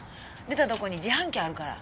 出たとこに自販機あるから。